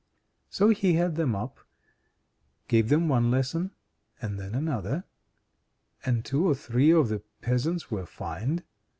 So he had them up, gave them one lesson, and then another, and two or three of the peasants were fined.